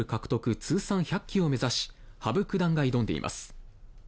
通算１００期を目指し羽生九段が挑んでいます。